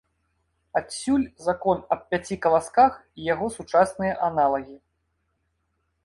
Адсюль закон аб пяці каласках і яго сучасныя аналагі.